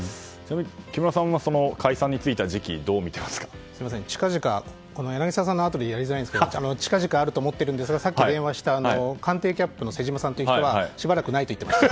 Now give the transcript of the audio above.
木村さんは解散については柳澤さんのあとでやりづらいんですが近々あると思っているんですがさっき電話した官邸キャップの方はしばらくないと言っていました。